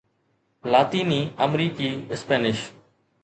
لاطيني آمريڪي اسپينش